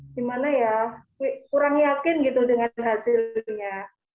gimana ya kurang yakin gitu dengan hasilnya